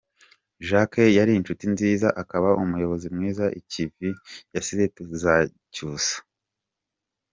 Jacques yari inshuti nziza akaba umuyobozi mwiza ikivi yasize tuzacyusa.